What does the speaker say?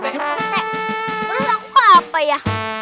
udah gak apa apa ya